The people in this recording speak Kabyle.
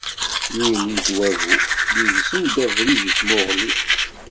Yuli-d wagu yegzem abrid i tmuɣli.